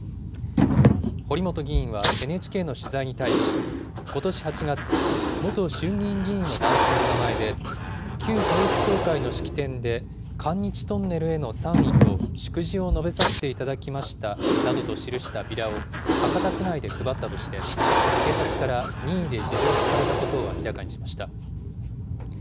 堀本議員はＮＨＫの取材に対し、ことし８月、元衆議院議員の男性の名前で、旧統一教会の式典で韓日トンネルへの賛意と、祝辞を述べさせていただきましたなどと記したビラを、博多区内で配ったとして、警察から任意で事情を聴かれたことを明らかにしました。